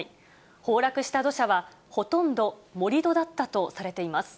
崩落した土砂は、ほとんど盛り土だったとされています。